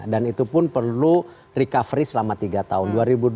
dan itu pun perlu recovery selama tiga tahun